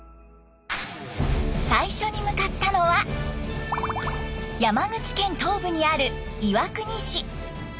最初に向かったのは山口県東部にある岩国市。